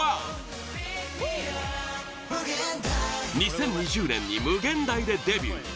２０２０年に「無限大」でデビュー！